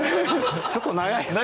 ちょっと長いですね